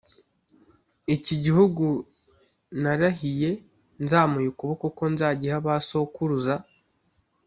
iki gihugu narahiye nzamuye ukuboko ko nzagiha ba sokuruza